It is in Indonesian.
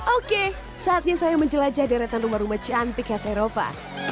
oke saatnya saya menjelajah deretan rumah rumah cantik khas eropa